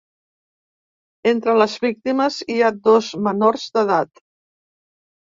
Entre les víctimes hi ha dos menors d’edat.